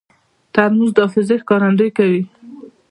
ترموز د حافظې ښکارندویي کوي.